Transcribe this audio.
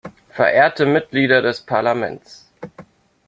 Verehrte Mitglieder des Parlaments!